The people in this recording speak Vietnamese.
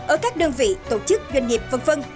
ở các đơn vị tổ chức doanh nghiệp v v